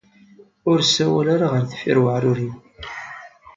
Ur sawal ara ɣer deffir uɛerur-iw.